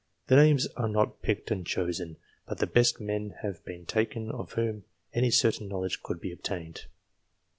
The names are not picked and chosen, but the best men have been taken of whom any certain knowledge could be obtained.